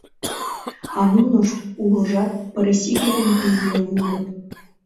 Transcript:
А нунышт улыжат пырысиге ден пий веле улыт.